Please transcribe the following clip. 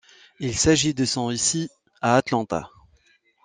Il s'agit de son ici, à Atlanta.